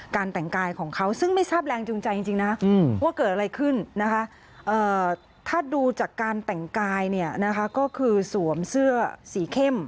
แต่งกายของเขาซึ่งไม่ทราบแรงจูงใจจริงนะว่าเกิดอะไรขึ้นนะคะถ้าดูจากการแต่งกายเนี่ยนะคะก็คือสวมเสื้อสีเข้ม